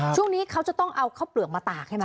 ช่วงนี้เขาจะต้องเอาข้าวเปลือกมาตากใช่ไหม